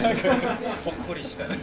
ほっこりした。